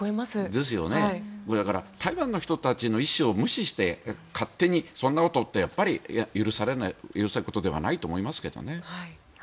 ですから台湾の人たちの意思を無視して勝手にそんなことってやっぱり許されることではないと思いますけどね。